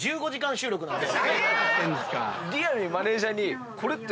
リアルにマネジャーにこれって。